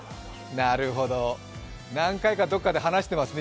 なるほど、何回かどこかで話してますね。